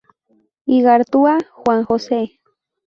Igartua, Juan Jose.